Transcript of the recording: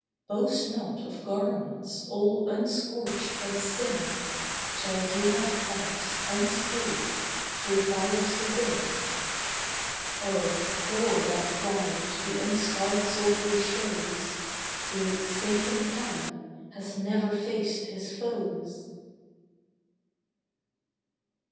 Boast not of garments, all unscorched by sin, Till you have passed, unscathed, through fires within. Oh, poor that pride the unscarred soldier shows, Who safe in camp, has never faced his foes.